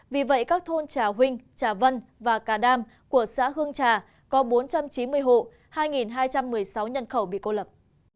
vì vậy các thôn trà vinh trà vân và cà đam của xã hương trà có bốn trăm chín mươi hộ hai hai trăm một mươi sáu nhân khẩu bị cô lập